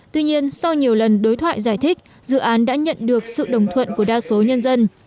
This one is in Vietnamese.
tuy nhiên sau nhiều lần đối thoại giải thích dự án đã nhận được sự đồng thuận của đa số nhân dân